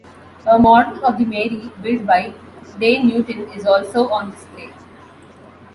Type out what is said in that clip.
A model of the "Mary", built by Des Newton is also on display.